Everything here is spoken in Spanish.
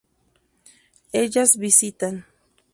Ellas visitan